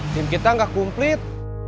tim kita enggak kumplit